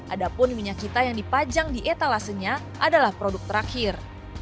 adapun minyak kita yang dipajang di etalasenya adalah produk terakhir